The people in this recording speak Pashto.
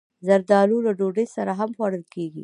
زردالو له ډوډۍ سره هم خوړل کېږي.